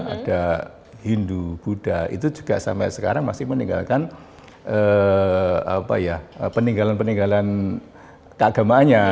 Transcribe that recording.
ada hindu buddha itu juga sampai sekarang masih meninggalkan peninggalan peninggalan keagamaannya